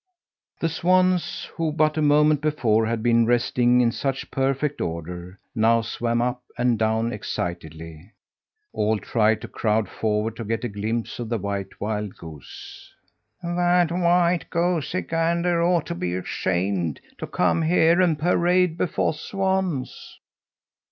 The swans, who but a moment before had been resting in such perfect order, now swam up and down excitedly. All tried to crowd forward to get a glimpse of the white wild goose. "That white goosey gander ought to be ashamed to come here and parade before swans!"